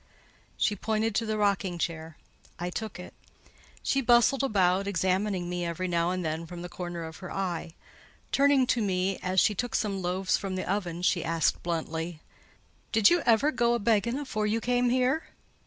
She pointed to the rocking chair: I took it. She bustled about, examining me every now and then with the corner of her eye. Turning to me, as she took some loaves from the oven, she asked bluntly— "Did you ever go a begging afore you came here?"